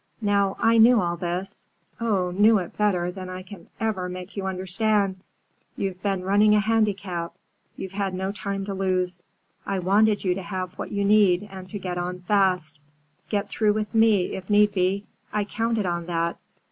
"Now I knew all this—oh, knew it better than I can ever make you understand! You've been running a handicap. You had no time to lose. I wanted you to have what you need and to get on fast—get through with me, if need be; I counted on that.